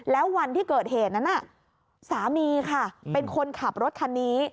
แล้ววันที่เกิดเหตุนั้นน่ะสามีค่ะเป็นคนขับรถคันนี้